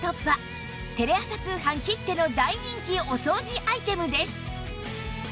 テレ朝通販きっての大人気お掃除アイテムです